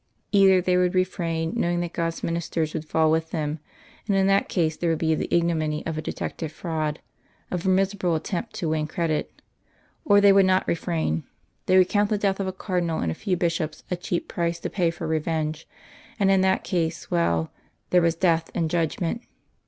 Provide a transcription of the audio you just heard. Either they would refrain, knowing that God's ministers would fall with them, and in that case there would be the ignominy of a detected fraud, of a miserable attempt to win credit. Or they would not refrain; they would count the death of a Cardinal and a few bishops a cheap price to pay for revenge and in that case well, there was Death and Judgment.